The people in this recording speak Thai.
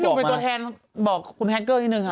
พี่หนูเป็นตัวแทนบอกคุณแฮคเกอร์ที่นึงครับ